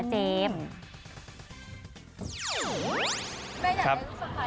คุณแม่อยากได้ลูกสะพัยอะไรไหมครับ